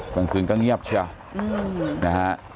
บางคืนก็เงียบเชื่ออืมนะฮะ